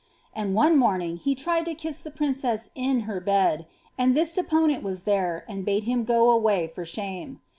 * And one mominf he tried to kiss the princess in her bed, and this deponent was there, and bade him iro away for shame.